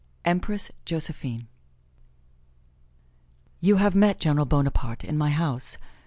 EMPRESS JOSEPHINE You have met General Bonaparte in my house.